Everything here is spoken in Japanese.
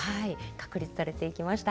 確立されていきました。